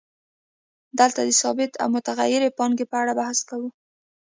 دلته د ثابتې او متغیرې پانګې په اړه بحث کوو